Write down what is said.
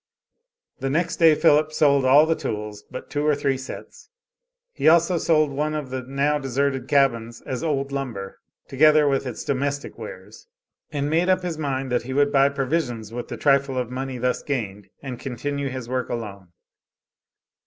The next day Philip sold all the tools but two or three sets; he also sold one of the now deserted cabins as old, lumber, together with its domestic wares; and made up his mind that he would buy provisions with the trifle of money thus gained and continue his work alone.